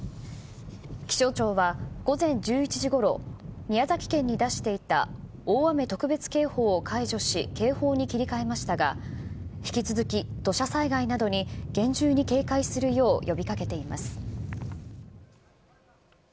気象庁は午前１１時ごろ、宮崎県に出していた大雨特別警報を解除し、警報に切り替えましたが、引き続き、土砂災害などに厳重に警戒するよう呼びかけています。